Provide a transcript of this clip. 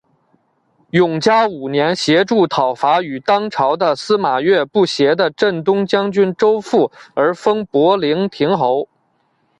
永嘉五年协助讨伐与当朝的司马越不协的镇东将军周馥而封博陵亭侯。